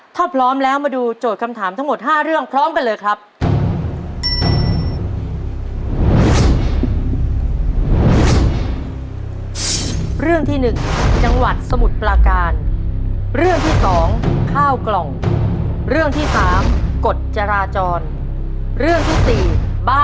ถ้าพร้อมแล้วมาดูโจทย์คำถามทั้งหมด๕เรื่องพร้อมกันเลยครับ